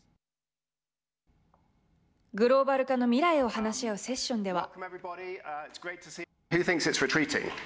グローバル化の未来を話し合うセッションでは。